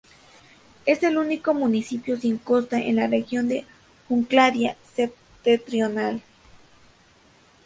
Es el único municipio sin costa en la región de Jutlandia Septentrional.